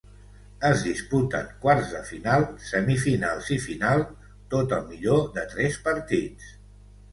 Es disputen quarts de final, semifinals i final, tot al millor de tres partits.